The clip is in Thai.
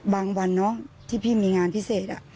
บางวันเนอะที่พี่มีงานพิเศษ